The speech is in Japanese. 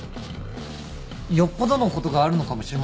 よっぽどのことがあるのかもしれませんよ？